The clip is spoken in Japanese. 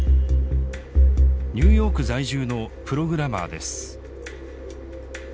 ニューヨーク在住のプログラマーです。